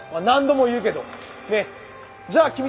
何度も言うけどじゃあ